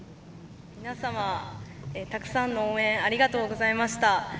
皆様、たくさんの応援ありがとうございました。